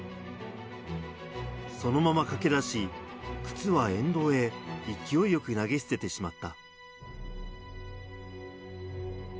そのまま、かけだし、靴は沿道へ勢いよく投げ捨ててしまった。